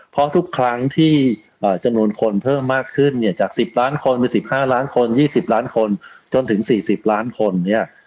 เพราะทุกครั้งที่จำนวนคนเพิ่มมากขึ้นเนี่ยจาก๑๐ล้านคนเป็น๑๕ล้านคน๒๐ล้านคนจนถึง๔๐ล้านคนเนี่ย